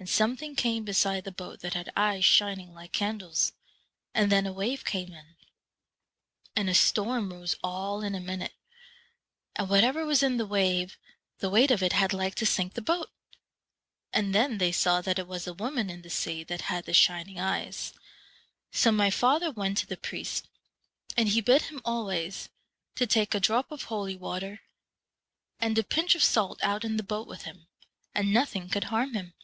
And something came beside the boat that had eyes shining like candles. And then a wave came in, and a storm rose all in a minute, and whatever was in the wave, the weight of it had like to sink the boat. And then they saw that it was a woman in the sea 87 that had the shining eyes. So my father went to the priest, and he bid him always to take a drop of holy water and a pinch of salt out in the boat with him, and nothing could harm him.'